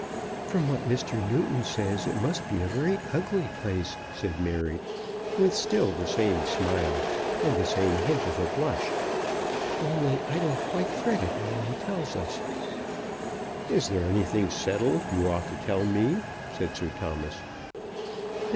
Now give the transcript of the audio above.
"From what Mr. Newton says, it must be a very ugly place," said Mary, with still the same smile and the same hint of a blush; "only I don't quite credit all he tells us." "If there is anything settled you ought to tell me," said Sir Thomas.